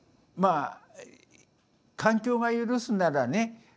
まあ環境が許すならね